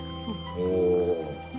お。